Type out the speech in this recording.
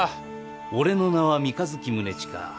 俺の名は三日月宗近。